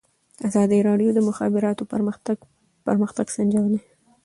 ازادي راډیو د د مخابراتو پرمختګ پرمختګ سنجولی.